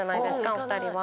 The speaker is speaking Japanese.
お二人は。